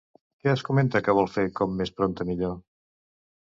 Què es comenta que vol fer com més prompte millor?